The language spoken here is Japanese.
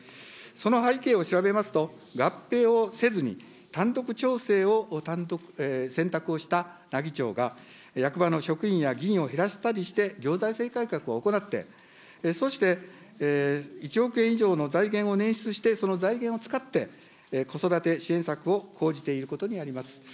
その背景を調べますと、合併をせずに、単独調整を選択をした奈義町が、役場の職員や議員を減らしたりして、行財政改革を行って、そして１億円以上の財源を捻出して、その財源を、子育て支援策を講じていることにあります。